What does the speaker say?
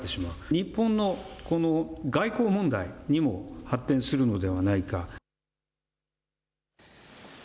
日本の外交問題にも発展するのではないか。